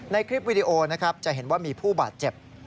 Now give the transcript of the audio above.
คลิปวิดีโอนะครับจะเห็นว่ามีผู้บาดเจ็บ